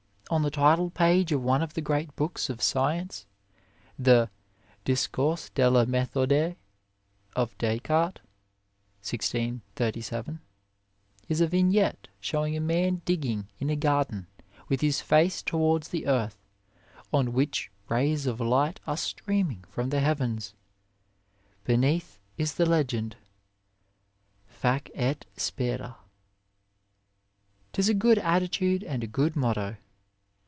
On the title page of one of the great books of science, the Discours de la Methode of Descartes (1637) is a vignette showing a man digging in a garden with his face towards the earth, on which rays of light are streaming from the heavens; beneath is the legend "Fac et Spera. " Tis a good attitude and a good motto.